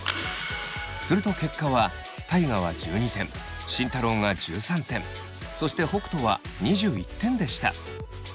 すると結果は大我は１２点慎太郎が１３点そして北斗は２１点でした。